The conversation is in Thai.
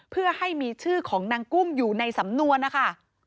เพื่อให้มีชื่อของนางกุ้งอยู่ในสำนวนนะคะ